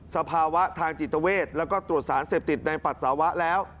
สภาวะทางจิตเวทแล้วก็ตรวจสารเสพติดในปัสสาวะแล้ว